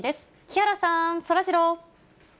木原さん、そらジロー。